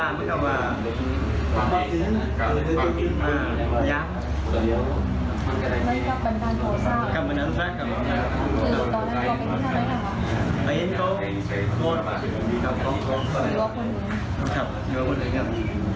ยังไม่เรียงไหม